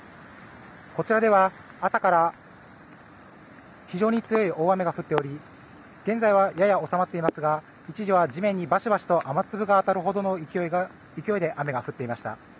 こちらでは朝から非常に強い大雨が降っており現在はやや収まっていますが一時は地面にバシバシと雨粒が当たるほどの勢いで雨が降っていました。